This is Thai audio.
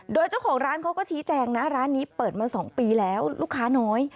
โดยเจ้าของร้านเขาก็ชี้แจงนะร้านนี้เปิดมา๒ปีแล้วลูกค้าน้อย